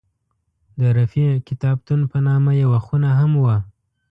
د رفیع کتابتون په نامه یوه خونه هم وه.